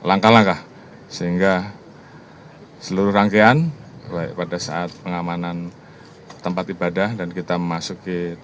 laporan komandan ap